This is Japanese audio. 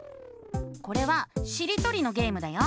これはしりとりのゲームだよ。